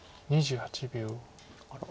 ２８秒。